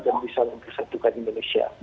dan bisa mempersatukan indonesia